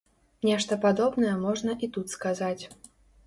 Нешта падобнае можна і тут сказаць.